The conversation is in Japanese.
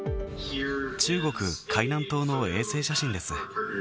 中国・海南島の衛星写真です。